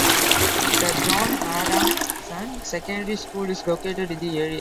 Sir John Adamson Secondary School is located in the area.